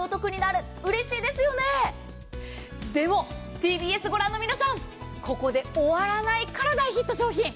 ＴＢＳご覧の皆さん、ここで終わらないから大ヒット商品。